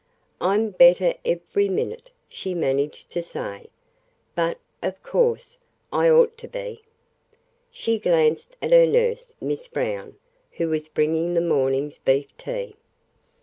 "I'm better every minute," she managed to say. "But, of course, I ought to be." She glanced at her nurse, Miss Brown, who was bringing the morning's beef tea.